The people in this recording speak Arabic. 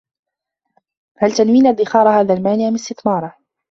هل تنوين ادّخار هذا المال أم استثماره؟